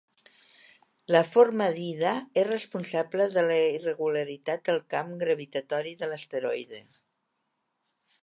La forma d'Ida és responsable de la irregularitat del camp gravitatori de l'asteroide.